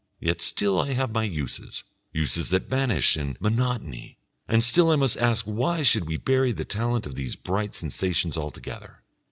Yet still I have my uses, uses that vanish in monotony, and still I must ask why should we bury the talent of these bright sensations altogether?